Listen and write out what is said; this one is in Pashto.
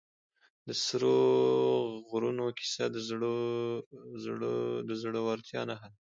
د سرو غرونو کیسه د زړه ورتیا نښه ده.